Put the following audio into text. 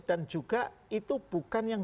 dan juga itu bukan yang